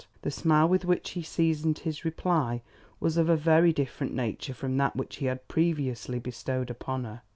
The smile with which he seasoned his reply was of a very different nature from that which he had previously bestowed upon her.